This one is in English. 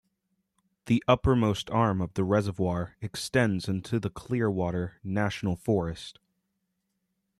The uppermost arm of the reservoir extends into the Clearwater National Forest.